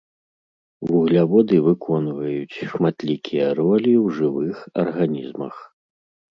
Вугляводы выконваюць шматлікія ролі ў жывых арганізмах.